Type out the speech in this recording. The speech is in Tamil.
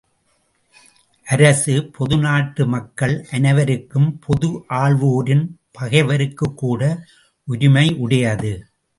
அரசு, பொது நாட்டு மக்கள் அனைவருக்கும் பொது ஆள்வோரின் பகைவருக்குக்கூட உரிமையுடையது.